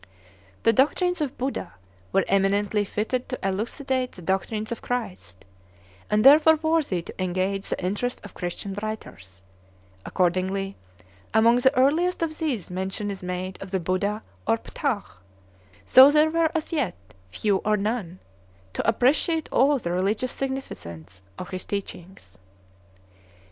The doctrines of Buddha were eminently fitted to elucidate the doctrines of Christ, and therefore worthy to engage the interest of Christian writers; accordingly, among the earliest of these mention is made of the Buddha or Phthah, though there were as yet few or none to appreciate all the religious significance of his teachings.